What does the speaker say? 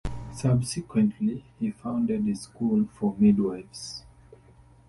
Subsequently, he founded a school for midwives.